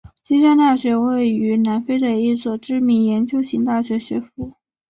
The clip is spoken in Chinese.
金山大学位于南非的一所知名研究型大学学府。